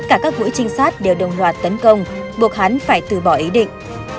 thế nhưng tất cả các vũ trinh sát đều đồng loạt tấn công buộc hán phải từ bỏ ý định